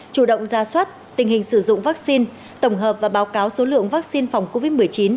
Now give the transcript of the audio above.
chủ động ra soát tình hình sử dụng vaccine tổng hợp và báo cáo số lượng vaccine phòng covid một mươi chín